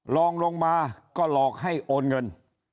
ลองลงมาก็หลอกให้โอนเงิน